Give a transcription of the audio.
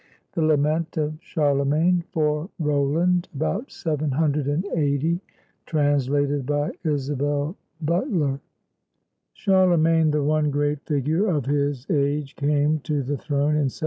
THE LAMENT OF CHARLEMAGNE FOR ROLAND [About 780] TRANSLATED BY ISABEL BUTLER [Charlemagne, the one great figure of his age, came to the throne in 768.